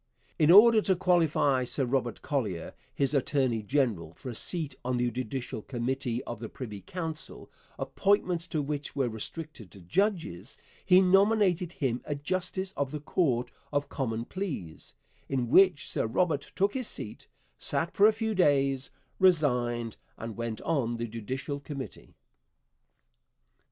In order to qualify Sir Robert Collier, his attorney general, for a seat on the Judicial Committee of the Privy Council, appointments to which were restricted to judges, he nominated him a justice of the Court of Common Pleas, in which Sir Robert took his seat, sat for a few days, resigned, and went on the Judicial Committee.